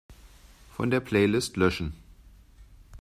Von der Playlist löschen.